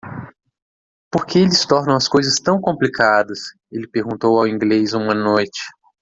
"Por que eles tornam as coisas tão complicadas?" Ele perguntou ao inglês uma noite.